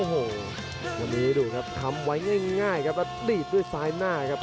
โอ้โหวันนี้ดูครับคำไว้ง่ายครับแล้วดีดด้วยซ้ายหน้าครับ